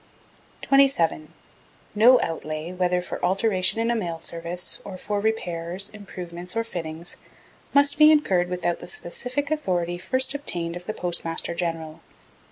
27. No outlay, whether for alteration in a Mail Service, or for repairs, improvements or fittings, must be incurred without the specific authority first obtained of the Postmaster General.